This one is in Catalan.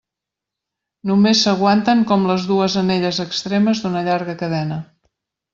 Només s'aguanten com les dues anelles extremes d'una llarga cadena.